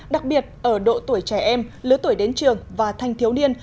đặc biệt ở độ tuổi trẻ em lứa tuổi đến trường và thanh thiếu niên